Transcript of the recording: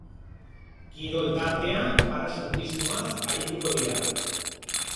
Kirol tartean paraxutismoaz arituko dira.